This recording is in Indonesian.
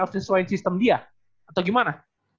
harus nyesuaiin sistem dia atau gimana